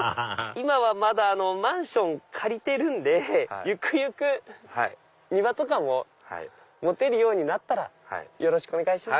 今はまだマンション借りてるんでゆくゆく庭とかも持てるようになったらよろしくお願いします。